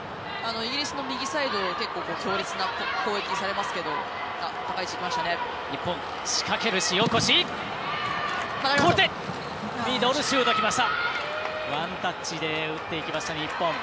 イギリスの右サイド結構、強烈な攻撃されますけどワンタッチで打っていきました、日本。